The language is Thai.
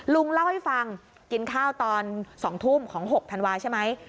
ลุงเล่าให้ฟังกินข้าวตอน๒ทุ่มของ๖ธันวาใช่ไหม